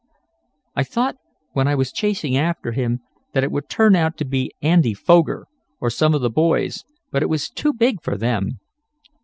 I thought, when I was chasing after him, that it would turn out to be Andy Foger, or some of the boys, but it was too big for them.